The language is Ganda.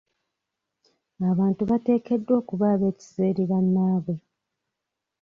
Abantu bateekeddwa okuba ab'ekisa eri bannaabwe.